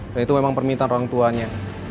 dan itu memang permintaan orang tuanya